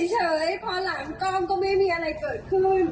พอหลังกล้องก็ไม่มีอะไรเกิดขึ้น